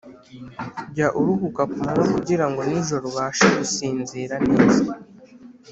Jya uruhuka ku manywa kugirango nijoro ubashe gusinzira neza.